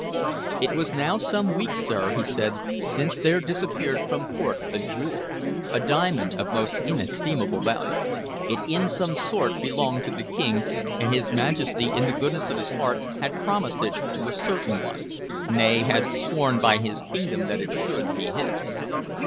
"It is now some weeks, sir," he said, "since there disappeared from court a jewel, a diamond of most inestimable worth. It in some sort belonged to the King, and his Majesty, in the goodness of his heart, had promised it to a certain one, nay, had sworn by his kingdom that it should be his.